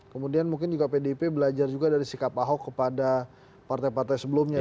kemudian mungkin juga pdip belajar juga dari sikap ahok kepada partai partai sebelumnya